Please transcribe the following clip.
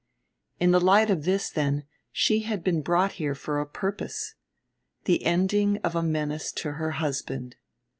In the light of this, then, she had been brought here for a purpose ... the ending of a menace to her husband.